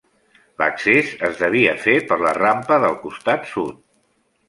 L'accés es devia fer per la rampa del costat sud.